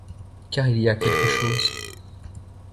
car il y a quelque chose.